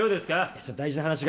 ちょっと大事な話が。